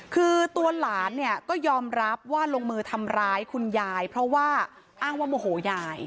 คือตัวหลานเนี่ยก็ยอมรับว่าลงมือทำร้ายคุณยายเพราะว่าอ้างว่าโมโหยาย